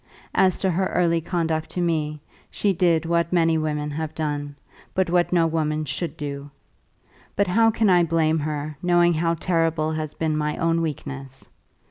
As to her early conduct to me, she did what many women have done, but what no woman should do. But how can I blame her, knowing how terrible has been my own weakness!